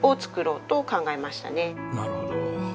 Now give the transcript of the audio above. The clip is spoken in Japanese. なるほど。